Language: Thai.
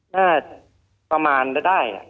น่าจะประมาณนั้นได้